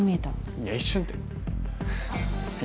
いや一瞬ってはい。